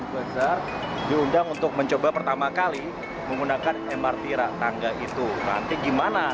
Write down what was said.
besar diundang untuk mencoba pertama kali menggunakan mrt tangga itu nanti gimana